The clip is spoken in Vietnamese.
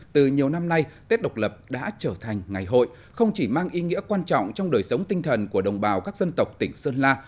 từ nhiều năm nay tết độc lập đã trở thành ngày hội không chỉ mang ý nghĩa quan trọng trong đời sống tinh thần của đồng bào các dân tộc tỉnh sơn la